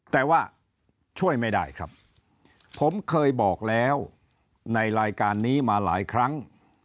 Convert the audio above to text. แต่ว่าช่วยไม่ได้ครับผมเคยบอกแล้วในรายการนี้มาหลายครั้ง